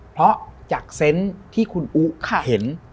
เพราะจากเซนต์ที่คุณอุ๊เห็น